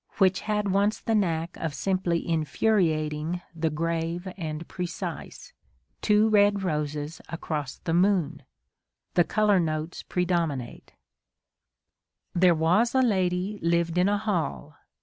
. which had once the knack of simply infuriating the grave and precise," Two Red Roses across the Moon, — the colour notes pre dominate: — There was a lady lived in a hall.